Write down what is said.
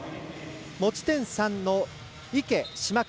持ち点３の池、島川